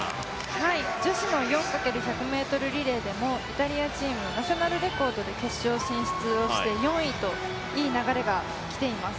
女子の４×１００ｍリレーでもイタリアチーム、ナショナルレコードで決勝進出をして４位といい流れが来ています。